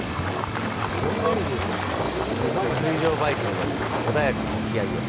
水上バイクに乗り、穏やかな沖合へ。